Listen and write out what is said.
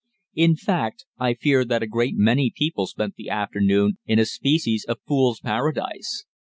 In fact, I fear that a great many people spent the afternoon in a species of fool's paradise.